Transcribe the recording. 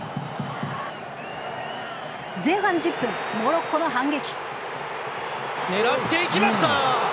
前半１０分、モロッコの反撃。